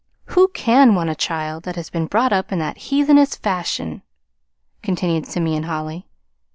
"Who can want a child that has been brought up in that heathenish fashion?" continued Simeon Holly.